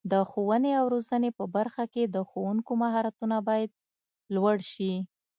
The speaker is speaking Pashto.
د ښوونې او روزنې په برخه کې د ښوونکو مهارتونه باید لوړ شي.